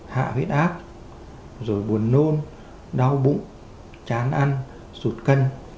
hạ huyết ác rồi buồn nôn đau bụng chán ăn sụt cân